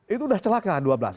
itu sudah celaka dua belas